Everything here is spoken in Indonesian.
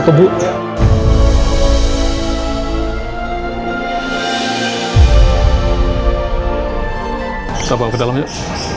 kita bawa ke dalam yuk